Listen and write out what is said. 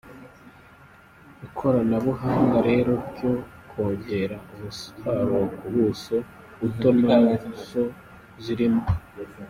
Ikoranabuhanga rero ryo kongera umusaruro ku buso buto nazo zirimo.